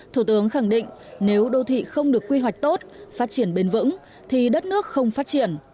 thủ tướng khẳng định nếu đô thị không được quy hoạch tốt phát triển bền vững thì đất nước không phát triển